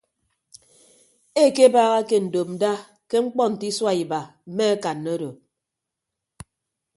Ekebaaha ke ndopnda ke ñkpọ nte isua iba mme akanna odo.